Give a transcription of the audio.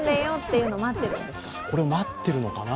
挟まれるのを待ってるのかな。